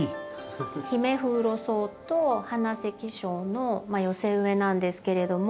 ヒメフウロソウとハナセキショウの寄せ植えなんですけれども。